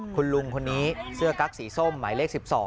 คุณลุงคนนี้เสื้อกั๊กสีส้มหมายเลข๑๒